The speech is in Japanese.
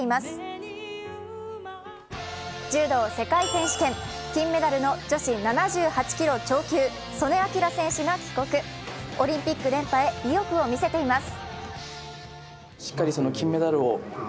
柔道世界選手権、金メダルの女子７８キロ超級、素根輝選手が帰国オリンピック連覇へ意欲を見せています。